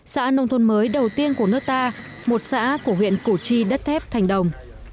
xã nông thôn mới đầu tiên của nước ta một xã của huyện củ chi đất thép thành đồng